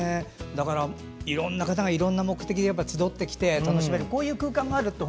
いろんな方がいろんな目的で集ってきて楽しめる空間があるって